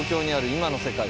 今の世界。